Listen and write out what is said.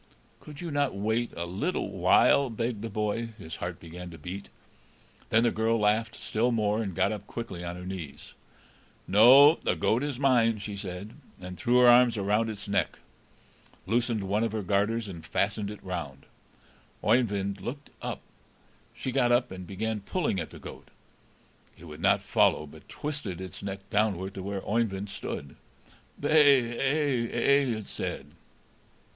"Could you not wait a little while?" begged the boy; his heart began to beat. Then the girl laughed still more, and got up quickly on her knees. "No, the goat is mine," she said, and threw her arms round its neck, loosened one of her garters, and fastened it round. Oeyvind looked up. She got up, and began pulling at the goat. It would not follow, but twisted its neck downward to where Oeyvind stood. "Bay ay ay," it said.